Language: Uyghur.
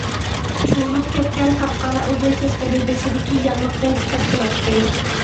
چۇۋۇلۇپ كەتكەن قاپقارا ئۇزۇن چاچلىرى بېشىدىكى ياغلىقتىن چىقىپ تۇراتتى.